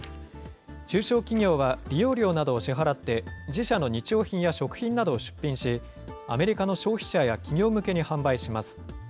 中小企業は、利用料などを支払って、自社の日用品や食品などを出品し、アメリカの消費者や企業向けに販売します。